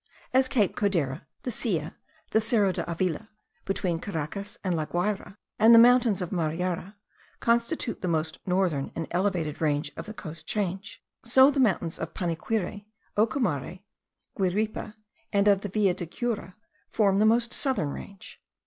As Cape Codera, the Silla, the Cerro de Avila between Caracas and La Guayra, and the mountains of Mariara, constitute the most northern and elevated range of the coast chain; so the mountains of Panaquire, Ocumare, Guiripa, and of the Villa de Cura, form the most southern range.